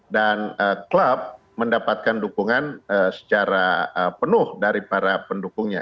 dan klub mendapatkan dukungan secara penuh dari para pendukungnya